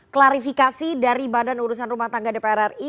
klarifikasi dari badan urusan rumah tangga dpr ri